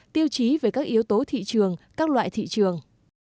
tiêu chí về các yếu tố thị trường các loại thị trường